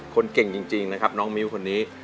คนเก่งจริงนะครับน้องมิ้วคนนี้